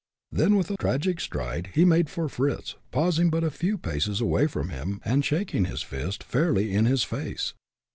Then, with a tragic stride, he made for Fritz, pausing but a few paces away from him, and shaking his fist fairly in his face.